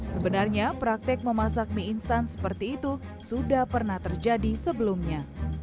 sebenarnya praktek memasak mie instan seperti itu sudah pernah terjadi sebelumnya